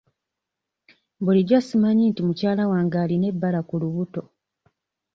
Bulijjo simanyi nti mukyala wange alina ebbala ku lubuto.